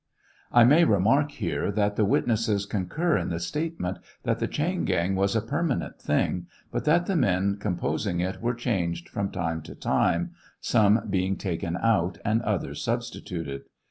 I may remark here, that the witnesses concur in the statement that the chain gang was a permanent thing, but that the men composing it were changed from "FT. Ex. Doc. 23 49 770 TKIAL OF HENRY WIKZ. time to time, some being taken out and others substituted.